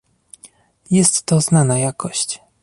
Jest to znana jakość